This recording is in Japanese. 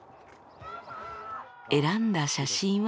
選んだ写真は。